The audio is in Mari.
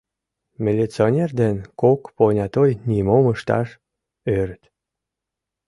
Милиционер ден кок понятой нимом ышташ ӧрыт.